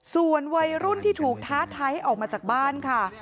ส่วนวัยรุ่นที่ถูกท้าทายให้ออกมาจากบ้านค่ะ